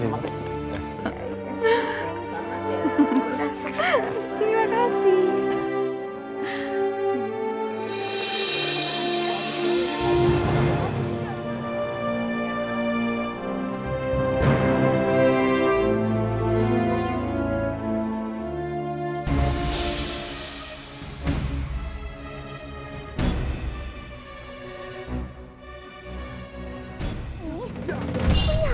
bagus banget namanya ya